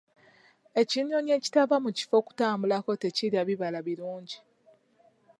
Ekinyonyi ekitava mu kifo kutambulako tekirya bibala birungi.